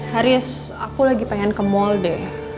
haris aku lagi pengen ke mall deh